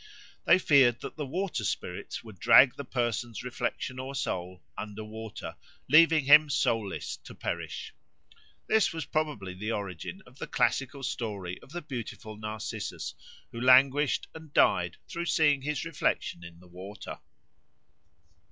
They feared that the water spirits would drag the person's reflection or soul under water, leaving him soulless to perish. This was probably the origin of the classical story of the beautiful Narcissus, who languished and died through seeing his reflection in the water.